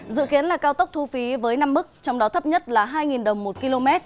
dự kiến là cao tốc thu phí với năm mức trong đó thấp nhất là hai đồng một km